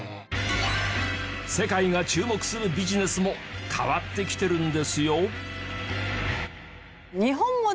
世界が注目するビジネスも変わってきてるんですよ。